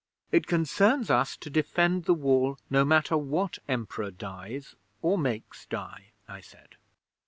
'"It concerns us to defend the Wall, no matter what Emperor dies, or makes die," I said.